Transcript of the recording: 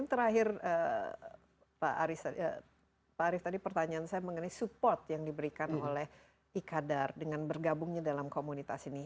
terakhir pak arief tadi pertanyaan saya mengenai support yang diberikan oleh ikadar dengan bergabungnya dalam komunitas ini